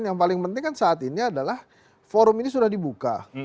yang paling penting kan saat ini adalah forum ini sudah dibuka